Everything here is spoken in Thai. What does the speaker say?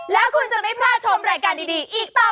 แล้วคุณจะไม่พลาดชมรายการดีอีกต่อ